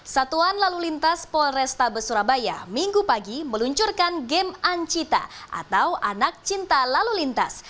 satuan lalu lintas polrestabes surabaya minggu pagi meluncurkan game ancita atau anak cinta lalu lintas